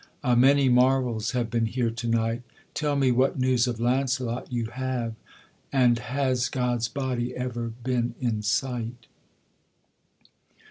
A many marvels have been here to night; Tell me what news of Launcelot you have, And has God's body ever been in sight?